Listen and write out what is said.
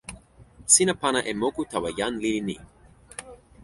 sina pana e moku tawa jan lili ni.